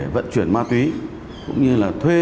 vận chuyển ma túy cũng như là thuê